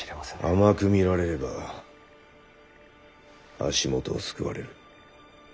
甘く見られれば足元をすくわれる。